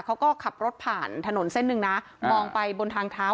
เขาก็ขับรถผ่านถนนเส้นหนึ่งนะมองไปบนทางเท้า